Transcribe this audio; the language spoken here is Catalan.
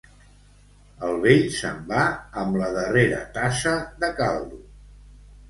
El vell se'n va amb la darrera tassa de caldo.